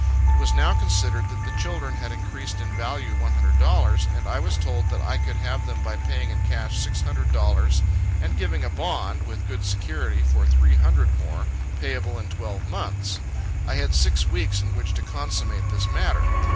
It was now considered that the children had increased in value one hundred dollars, and I was told that I could have them, by paying in cash six hundred dollars, and giving a bond, with good security, for three hundred more, payable in twelve months. I had six weeks, in which to consummate this matter.